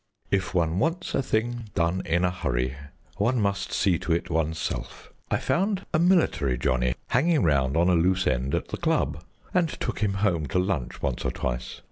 "If one wants a thing done in a hurry one must see to it oneself. I found a military Johnny hanging round on a loose end at the club, and took him home to lunch once or twice.